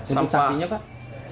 untuk sampahnya kak